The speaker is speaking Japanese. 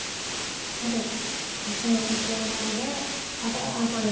全て星の立ち上がりで早速三々に。